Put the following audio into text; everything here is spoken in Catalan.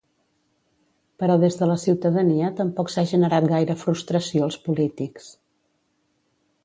Però des de la ciutadania tampoc s'ha generat gaire frustració als polítics.